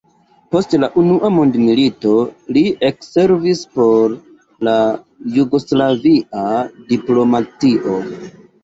Post la Unua mondmilito, li ekservis por la jugoslavia diplomatio.